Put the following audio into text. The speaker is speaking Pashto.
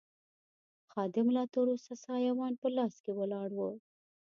خادم لا تراوسه سایوان په لاس ولاړ و.